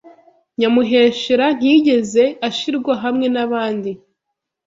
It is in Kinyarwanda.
Nyamuheshera ntiyigeze ashirwa hamwe n abandi